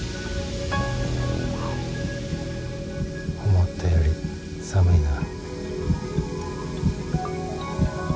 思ったより寒いな。